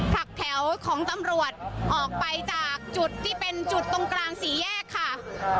ผลักแถวของตำรวจออกไปจากจุดที่เป็นจุดตรงกลางสี่แยกค่ะ